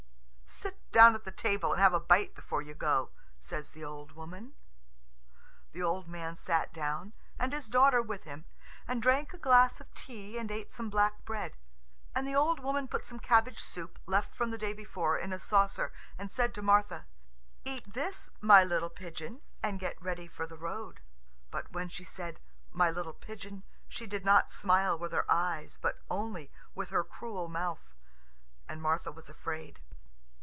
"Sit down at the table and have a bite before you go," says the old woman. The old man sat down, and his daughter with him, and drank a glass of tea and ate some black bread. And the old woman put some cabbage soup, left from the day before, in a saucer, and said to Martha, "Eat this, my little pigeon, and get ready for the road." But when she said "my little pigeon," she did not smile with her eyes, but only with her cruel mouth, and Martha was afraid.